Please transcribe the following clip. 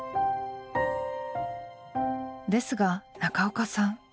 ですが中岡さん